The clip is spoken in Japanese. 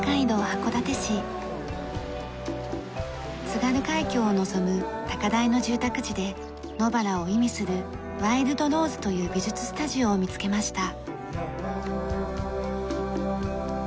津軽海峡を望む高台の住宅地で野バラを意味するワイルドローズという美術スタジオを見つけました。